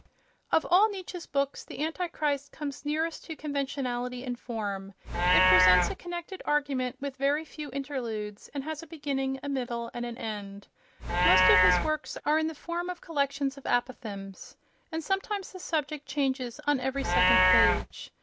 Of all Nietzsche's books, "The Antichrist" comes nearest to conventionality in form. It presents a connected argument with very few interludes, and has a beginning, a middle and an end. Most of his works are in the form of col lections of apothegms, and sometimes the subject changes on every second page.